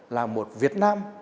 là một việt nam